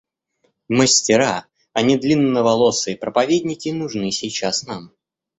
Мастера, а не длинноволосые проповедники нужны сейчас нам.